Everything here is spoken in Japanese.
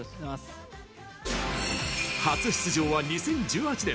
初出場は２０１８年。